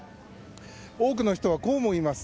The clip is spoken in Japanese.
多くの人はこうも言います。